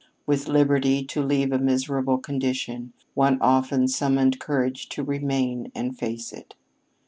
With liberty to leave a miserable condition, one often summoned courage to remain and face it.